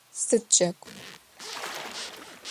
Сыд джэгу?